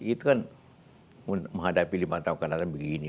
itu kan menghadapi lima tahun kadang kadang begini